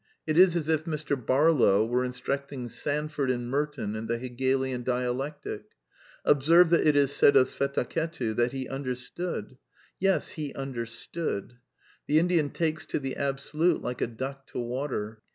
It is as if Mr. Barlow were instructing Sandf ord and Merton in the Hegelian Dialectic. \ Observe that it is said of Svetaketu that " he understood. J Yea, he understood/* The Indian takes to the Absolut^"^^ like a duck to water.